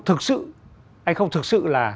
thực sự anh không thực sự là